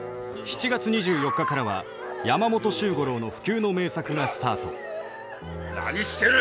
７月２４日からは山本周五郎の不朽の名作がスタート何してる！